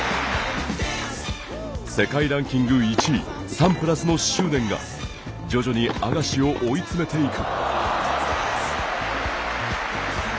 世界ランキング１位サンプラスの執念が徐々にアガシを追い詰めていく。